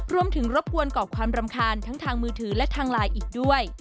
รบกวนก่อความรำคาญทั้งทางมือถือและทางไลน์อีกด้วย